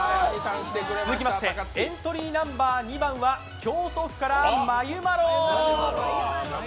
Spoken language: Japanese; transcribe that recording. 続きまして、エントリーナンバー２番は京都府からまゆまろ。